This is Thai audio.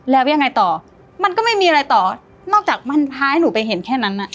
แล้วยังไงต่อมันก็ไม่มีอะไรต่อนอกจากมันพาให้หนูไปเห็นแค่นั้นน่ะ